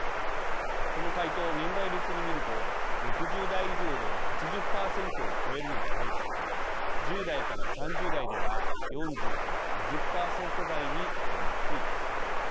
この回答を年代別に見ると６０代以上では８０％を超えるのに対し１０代から３０代では４０から５０％台にとどまっています。